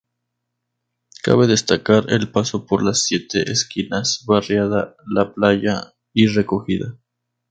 Cabe destacar el paso por las siete esquinas, Barriada la Playa y recogida.